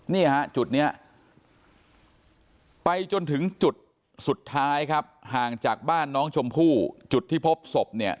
นี่ฮะจุดนี้ไปจนถึงจุดสุดท้ายครับห่างจากบ้านน้องชมพู่จุดที่พบศพเนี่ย